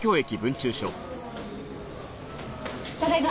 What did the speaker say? ただいま。